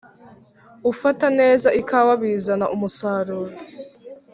gufata neza ikawa Bizana umusaruro